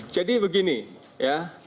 jadi begini ya